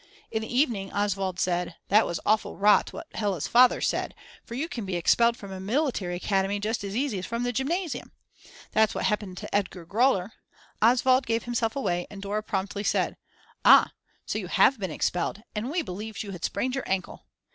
In the evening Oswald said: That was awful rot what Hella's father said, for you can be expelled from a military academy just as easily as from the Gymnasium. That's what happened to Edgar Groller. Oswald gave himself away and Dora promptly said: Ah, so you have been expelled, and we believed you had sprained your ankle.